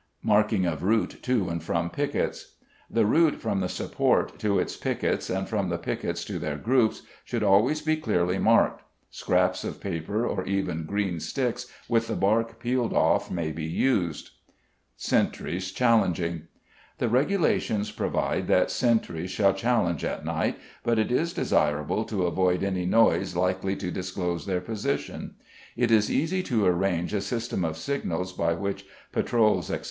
Marking of Route to and from Piquets. The route from the support to its piquets, and from the piquets to their groups, should always be clearly marked; scraps of paper, or even green sticks, with the bark peeled off, may be used. Sentries Challenging. The Regulations provide that sentries shall challenge at night, but it is desirable to avoid any noise likely to disclose their position. It is easy to arrange a system of signals by which patrols, etc.